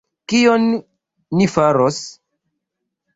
Kion ni faros?!